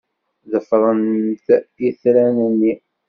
Ḍefremt itran-nni.